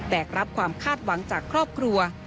แกกรับความคาดหวังจากครอบครัว